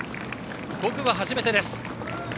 ５区は初めてです。